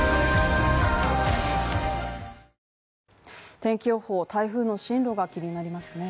天気予報、台風の進路が気になりますね。